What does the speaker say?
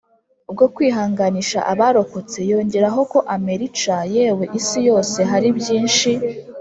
Bwo kwihanganisha abarokotse yongeraho ko america yewe isi yose hari byinshi